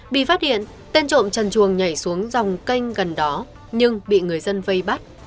bị phát hiện tên trộm trần chuồng nhảy xuống dòng canh gần đó nhưng bị người dân vây bắt